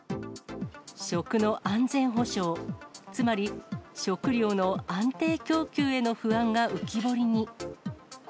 食の安全保障、つまり、食料の安定供給への不安が浮き彫りに。